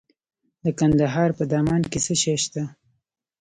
د کندهار په دامان کې څه شی شته؟